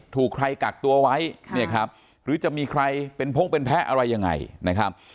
ถูกใครกักตัวไว้เนี่ยครับหรือจะมีใครเป็นพงเป็นแพ้อะไรยังไงนะครับ